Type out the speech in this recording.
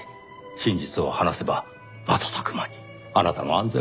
真実を話せば瞬く間にあなたの安全は確保されます。